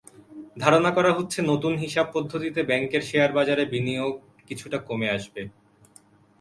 ধারণা করা হচ্ছে, নতুন হিসাব পদ্ধতিতে ব্যাংকের শেয়ারবাজারে বিনিয়োগ কিছুটা কমে আসবে।